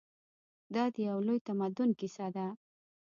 دا د یو لوی تمدن کیسه ده.